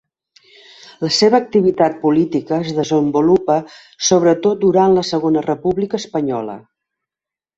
La seva activitat política es desenvolupa sobretot durant la Segona República Espanyola.